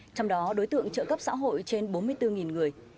trong đó đối tượng trợ cấp xã hội trên bốn mươi bốn người